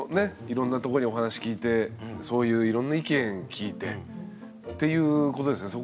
いろんなとこにお話聞いてそういういろんな意見聞いてっていうことですよね。